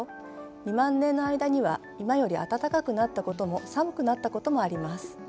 ２万年の間には今より暖かくなったことも寒くなったこともあります。